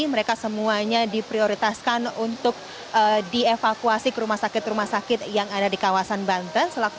mereka semuanya diprioritaskan untuk dievakuasi ke rumah sakit rumah sakit yang ada di kawasan banten